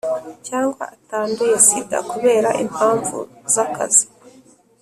cyangwa atanduye sida kubera impam- vu z’akazi,